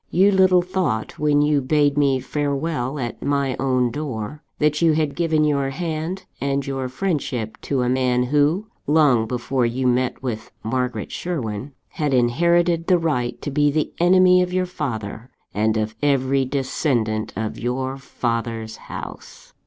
You little thought, when you bade me farewell at my own door, that you had given your hand and your friendship to a man, who long before you met with Margaret Sherwin had inherited the right to be the enemy of your father, and of every descendant of your father's house.